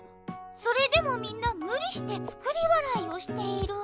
それでもみんなむりして作り笑いをしている。